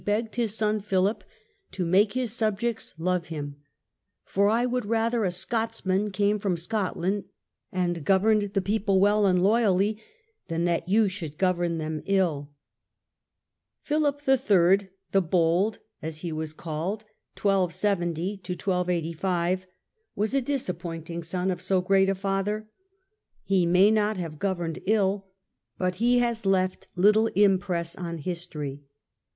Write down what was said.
begged his son Philip to make his subjects love him ;" for I would rather a Scotsman came from Scotland and governed the people vi^ell and loyally, than that you should govern them ill ". Philip III., the Bold as he has been called, was a disappointing son of so great a father : he may not have governed ill, but he has left little impress on history.